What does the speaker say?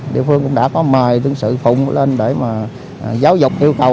điều phương cũng đã có mời đương sự phụng lên để giáo dục yêu cầu